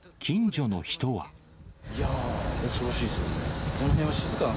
いやー、恐ろしいですよね。